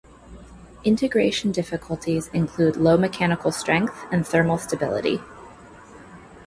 Integration difficulties include low mechanical strength and thermal stability.